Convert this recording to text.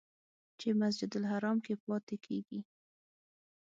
چې مسجدالحرام کې پاتې کېږي.